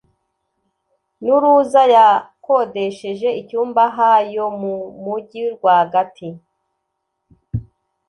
n uruza Yakodesheje icyumba ha yo mu mugi rwagati